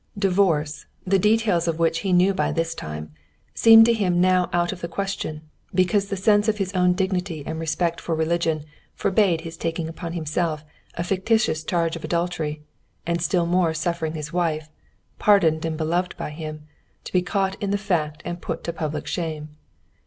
Divorce, the details of which he knew by this time, seemed to him now out of the question, because the sense of his own dignity and respect for religion forbade his taking upon himself a fictitious charge of adultery, and still more suffering his wife, pardoned and beloved by him, to be caught in the fact and put to public shame.